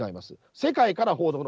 世界から報道の